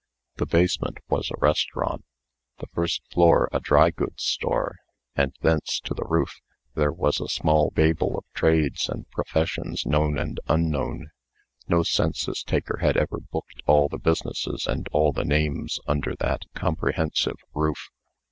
The basement was a restaurant, the first floor a dry goods store, and thence to the roof there was a small Babel of trades and professions known and unknown. No census taker had ever booked all the businesses and all the names under that comprehensive roof.